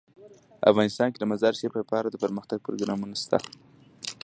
افغانستان کې د مزارشریف لپاره دپرمختیا پروګرامونه شته.